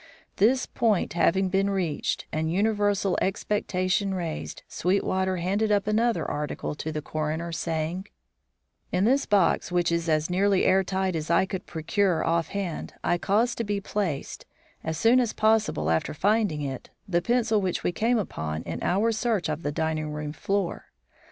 This point having been reached and universal expectation raised, Sweetwater handed up another article to the coroner, saying: "In this box, which is as nearly air tight as I could procure offhand, I caused to be placed, as soon as possible after finding it, the pencil which we came upon in our search of the dining room floor.